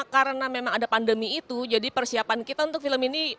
karena memang ada pandemi itu jadi persiapan kita untuk film ini